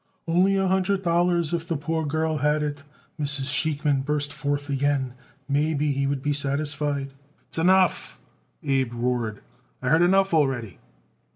"Only a hundred dollars if the poor girl had it," Mrs. Sheikman burst forth again; "maybe he would be satisfied." "S'enough!" Abe roared. "I heard enough already."